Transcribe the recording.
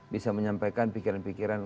bisa menyampaikan pikiran pikiran